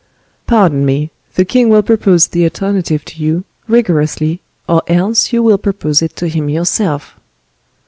"Pardon me;—the king will propose the alternative to you, rigorously, or else you will propose it to him yourself."